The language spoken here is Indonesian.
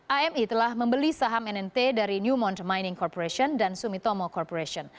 ami telah membeli saham nnt dari newmont mining corporation dan sumitomo corporation